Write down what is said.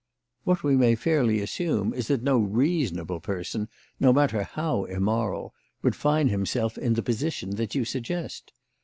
What we may fairly assume is that no reasonable person, no matter how immoral, would find himself in the position that you suggest.